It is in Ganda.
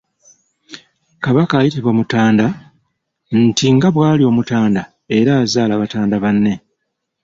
Kabaka ayitibwa Mutanda, nti nga bw'ali Omutanda era azaala Batanda banne.